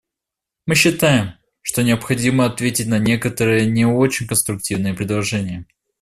Мы считаем, что необходимо ответить на некоторые не очень конструктивные предложения.